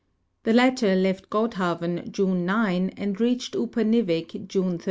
The latter left Godhavn June 9 and reached Upernivik June 13.